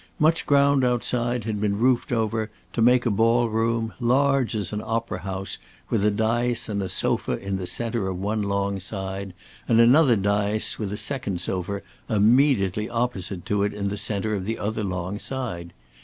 Much ground outside had been roofed over, to make a ball room, large as an opera house, with a daïs and a sofa in the centre of one long side, and another daïs with a second sofa immediately opposite to it in the centre of the other long side.